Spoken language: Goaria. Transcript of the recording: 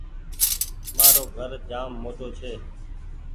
مآرو گھر جآم موٽو ڇي